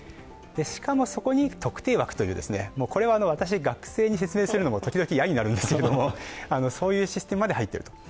しかもそこに特定枠という、これは私、学生に説明するのも時々嫌になるんですけど、そういうシステムまで入っている。